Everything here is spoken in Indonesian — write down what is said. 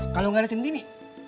kalo gak ada centini